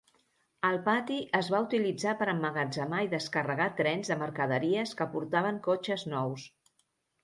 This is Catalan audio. El pati es va utilitzar per emmagatzemar i descarregar trens de mercaderies que portaven cotxes nous.